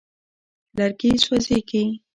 لرګي سوځېږي.